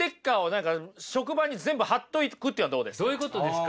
どういうことですか？